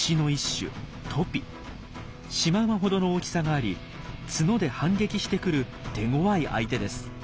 シマウマほどの大きさがあり角で反撃してくる手ごわい相手です。